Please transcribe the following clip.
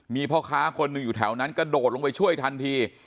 มีพ่อค้าคนหนึ่งอยู่แถวนั้นกระโดดลงไปช่วยทันที